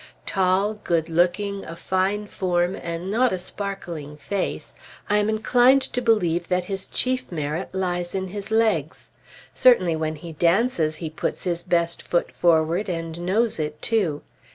Tall, good looking, a fine form, and not a sparkling face, I am inclined to believe that his chief merit lies in his legs. Certainly when he dances he puts his best foot forward, and knows it, too.